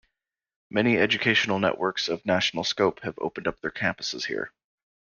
Many educational networks of national scope have opened up their campuses here.